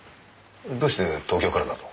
どうして東京からだと？